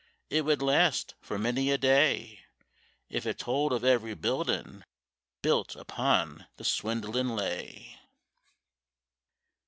It would last for many a day If it told of every buildin' built upon the swindlin' lay.